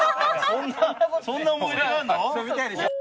そんな思い出があんの？